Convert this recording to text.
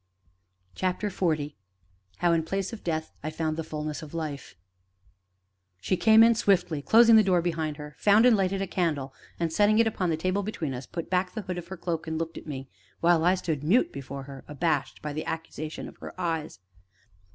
CHAPTER XL HOW, IN PLACE OF DEATH, I FOUND THE FULNESS OF LIFE She came in swiftly, closing the door behind her, found and lighted a candle, and, setting it upon the table between us, put back the hood of her cloak, and looked at me, while I stood mute before her, abashed by the accusation of her eyes.